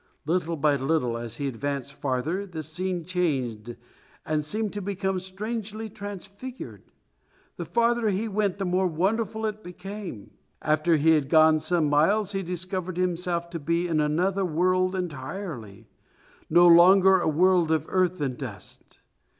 Little by little, as he advanced farther, the scene changed and seemed to become strangely transfigured. The farther he went the more wonderful it became. After he had gone some miles he discovered himself to be in another world entirely, no longer a world of earth and dust.